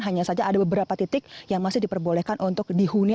hanya saja ada beberapa titik yang masih diperbolehkan untuk dihuni